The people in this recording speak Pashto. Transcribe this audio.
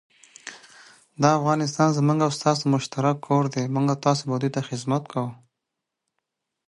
د نجونو تعلیم د بخیلۍ مخه نیسي.